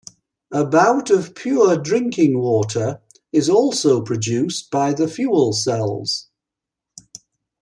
About of pure drinking water is also produced by the fuel cells.